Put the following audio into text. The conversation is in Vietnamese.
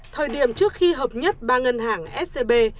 thời điểm trước khi hợp nhất ba ngân hàng scb